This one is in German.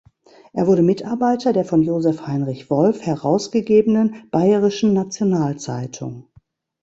Er wurde Mitarbeiter der von Joseph Heinrich Wolf herausgegebenen "Bayerischen National-Zeitung".